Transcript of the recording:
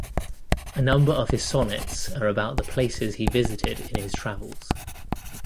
A number of his sonnets are about the places he visited in his travels.